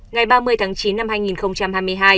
ngày ba mươi tháng chín năm hai nghìn hai mươi hai